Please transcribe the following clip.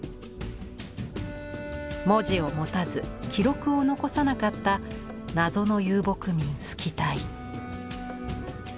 文字を持たず記録を残さなかった謎の遊牧民スキタイ。